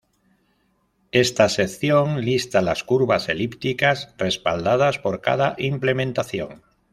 Esta sección lista las curvas elípticas respaldadas por cada implementación.